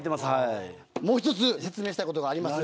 もう一つ説明したいことがあります。